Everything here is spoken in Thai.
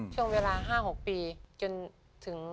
ช่วงเวลา๕๖ปีจนถึง